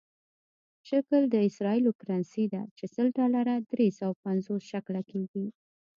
شکل د اسرائیلو کرنسي ده چې سل ډالره درې سوه پنځوس شکله کېږي.